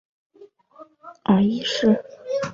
文策尔一世同意调停此次冲突。